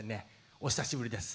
お久しぶりです